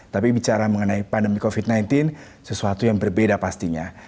tapi bicara mengenai pandemi covid sembilan belas sesuatu yang berbeda pastinya